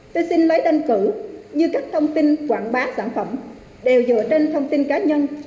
tôi xin máy tranh cử như các thông tin quảng bá sản phẩm đều dựa trên thông tin cá nhân